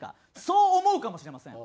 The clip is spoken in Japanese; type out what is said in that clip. そう思うかもしれません。